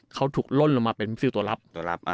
เขาถูกล่นลงมาเป็นพิษธุรัพย์